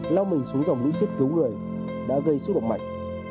lao mình xuống dòng lũ xít cứu người đã gây xúc động mạnh